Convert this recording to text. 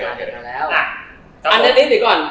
นถักกานด้านนี้หนึ่งก่อน